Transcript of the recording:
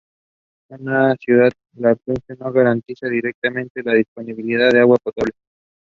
Another newer source states that it is pollinated by birds and insects.